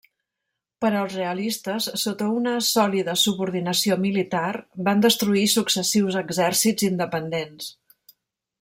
Però els realistes, sota una sòlida subordinació militar, van destruir successius exèrcits independents.